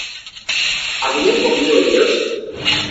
¿habían comido ellos?